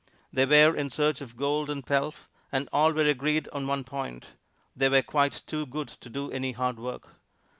They were in search of gold and pelf, and all were agreed on one point: they were quite too good to do any hard work.